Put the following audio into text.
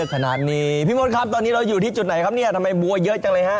พี่มดครับตอนนี้เราอยู่ที่จุดไหนครับทำไมบัวเยอะจังเลยครับ